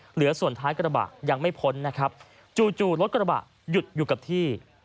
เหลือส่วนท้ายกระบะยังไม่พ้นนะครับจู่รถกระบะหยุดอยู่กับที่